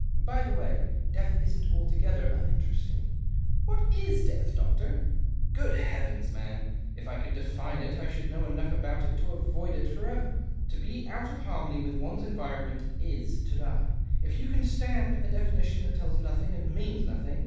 By the way, death isn't altogether uninteresting." " "What is death, doctor ?"" Grood heavens, man ! if I could define it, I should know enough about it to avoid it for ever. To be out of harmony with one's environment is to die, if you can stand a definition that tells nothing and means nothing.